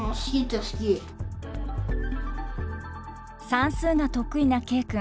算数が得意なＫ君。